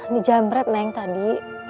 dijamret neng tadi